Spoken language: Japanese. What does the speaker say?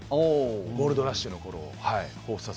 ゴールドラッシュの頃です。